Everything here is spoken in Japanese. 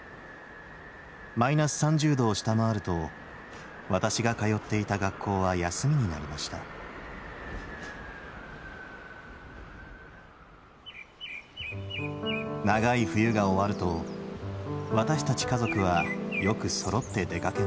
マイナス３０度を下回ると私が通っていた学校は休みになりました長い冬が終わると私たち家族はよくそろって出かけました。